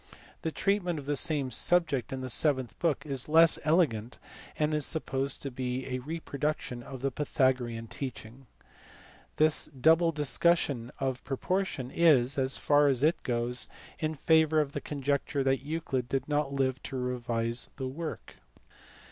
The treatment of the same subject in the seventh book is less elegant, and is supposed to be a reproduction of the Pythagorean teaching. This double discussion of proportion is, as far as it goes, in favour of the conjecture that Euclid did not live to revise the work.